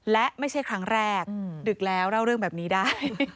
และไม่ใช่ครั้งแรกดึกแล้วเล่าเรื่องแบบนี้ได้